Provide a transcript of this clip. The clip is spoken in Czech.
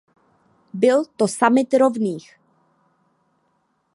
Byl to summit rovných.